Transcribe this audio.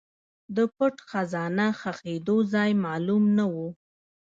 د پټ خزانه ښخېدو ځای معلوم نه و.